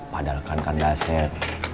padahal kang dasep